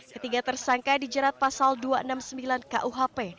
ketiga tersangka dijerat pasal dua ratus enam puluh sembilan kuhp